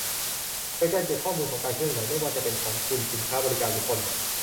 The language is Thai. เกิดการเก็บข้อมูลของการเคลื่อนไหวไม่ว่าจะเป็นของทุน สินค้า บริการ หรือคน